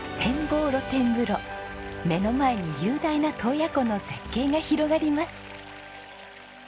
目の前に雄大な洞爺湖の絶景が広がります。